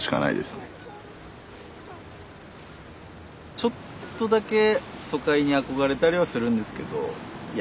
ちょっとだけ都会に憧れたりはするんですけどいや